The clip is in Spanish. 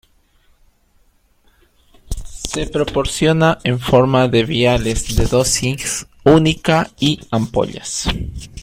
Se proporciona en forma de viales de dosis única y ampollas.